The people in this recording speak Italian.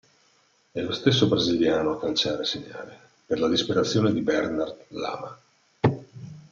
È lo stesso brasiliano a calciare e segnare, per la disperazione di Bernard Lama.